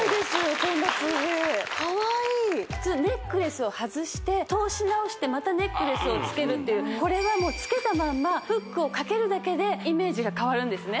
普通ネックレスを外して通し直してまたネックレスをつけるっていうこれはつけたまんまフックをかけるだけでイメージが変わるんですね